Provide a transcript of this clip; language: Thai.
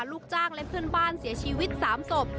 ลูกจ้างและเพื่อนบ้านเสียชีวิต๓ศพ